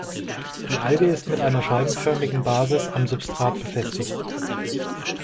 Die Alge ist mit einer scheibenförmigen Basis am Substrat befestigt.